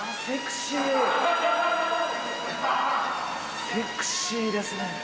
セクシーですね。